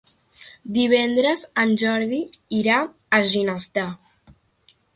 Divendres en Jordi irà a Ginestar.